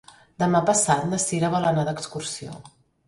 Demà passat na Sira vol anar d'excursió.